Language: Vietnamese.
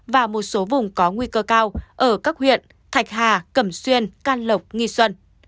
và một số vùng có nguy cơ cao ở các huyện thạch hà cẩm xuyên can lộc nghi xuân